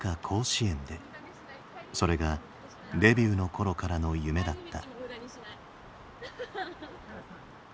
それがデビューの頃からの夢だった。